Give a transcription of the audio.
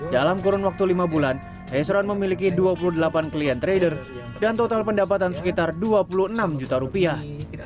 dalam kurun waktu lima bulan heisron memiliki dua puluh delapan klien trader dan total pendapatan sekitar dua puluh enam juta rupiah